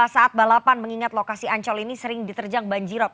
saat balapan mengingat lokasi ancol ini sering diterjang banjirop